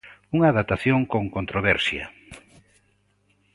Unha adaptación con controversia.